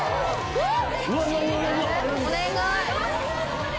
お願い！